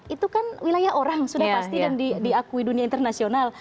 itu kan wilayah orang sudah pasti dan diakui dunia internasional